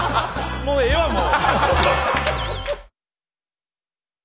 もうええわもう！